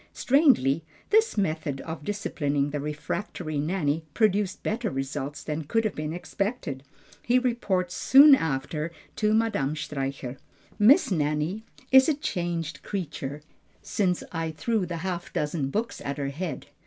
Strangely, this method of disciplining the refractory Nanny produced better results than could have been expected. He reports soon after to Madame Streicher, "Miss Nanny is a changed creature since I threw the half dozen books at her head.